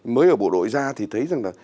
mới ở bộ đội ra thì thấy rằng là